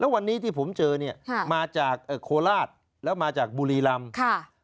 แล้ววันนี้ที่ผมเจอมาจากโคราชแล้วมาจากบุรีรำ